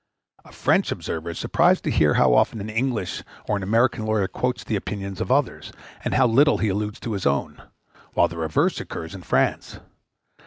A French observer is surprised to hear how often an English or an American lawyer quotes the opinions of others, and how little he alludes to his own; whilst the reverse occurs in France.